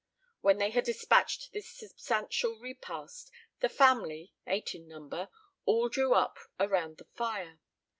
When they had despatched this substantial repast, the family, eight in number, all drew up around the fire.